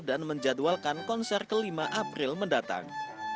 dan menjadwalkan konser kelima april mendatang